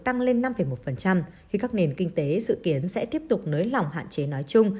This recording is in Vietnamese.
tăng lên năm một khi các nền kinh tế dự kiến sẽ tiếp tục nới lỏng hạn chế nói chung